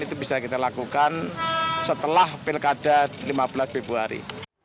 itu bisa kita lakukan setelah pilkada lima belas februari